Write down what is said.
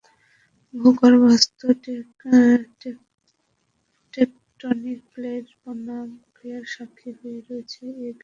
ভূগর্ভস্থ টেকটনিক প্লেটের নানান ক্রিয়াকলাপের সাক্ষী হয়ে রয়েছে এই গ্র্যান্ড ক্যানিয়ন।